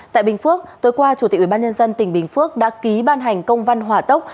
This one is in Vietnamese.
tại bình phước tối qua chủ tịch ubnd tỉnh bình phước đã ký ban hành công văn hỏa tốc